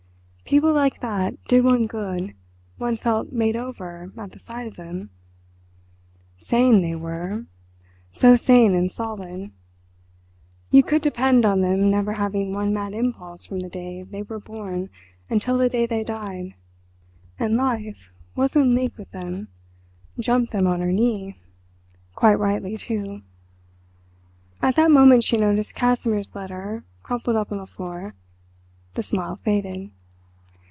People like that did one good—one felt "made over" at the sight of them. Sane they were—so sane and solid. You could depend on them never having one mad impulse from the day they were born until the day they died. And Life was in league with them—jumped them on her knee—quite rightly, too. At that moment she noticed Casimir's letter, crumpled up on the floor—the smile faded.